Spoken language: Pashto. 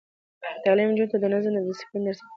تعلیم نجونو ته د نظم او دسپلین درس ورکوي.